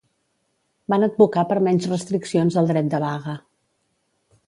Van advocar per menys restriccions al dret de vaga.